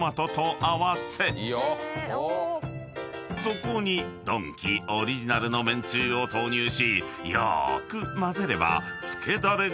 ［そこにドンキオリジナルのめんつゆを投入しよーく混ぜればつけダレが完成］